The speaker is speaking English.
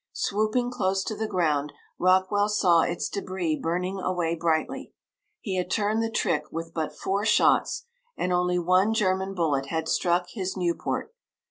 Swooping close to the ground Rockwell saw its débris burning away brightly. He had turned the trick with but four shots and only one German bullet had struck his Nieuport.